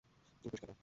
তুমি পরিষ্কার কর।